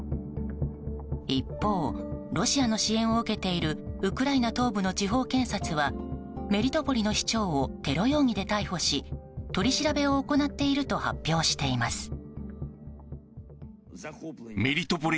一方、ロシアの支援を受けているウクライナ東部の地方検察はメリトポリの市長をテロ容疑で逮捕し取り調べを行っていると発表しています。